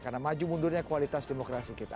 karena maju mundurnya kualitas demokrasi kita